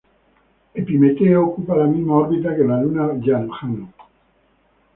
Epimeteo ocupa la misma órbita que la luna Jano.